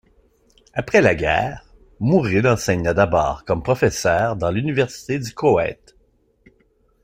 Après la guerre, Mourid enseigna d'abord comme professeur dans l'université du Koweït.